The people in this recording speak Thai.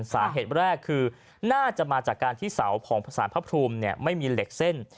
สาเหตุแรกคือน่าจะมาจากการที่เสาของสารพระภูมิไม่มีเหล็กเส้น